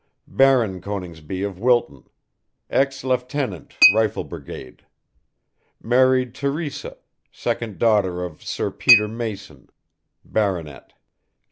Baron Coningsby of Wilton, ex Lieut. Rifle Brigade, m. Teresa, 2d daughter of Sir Peter Mason Bart.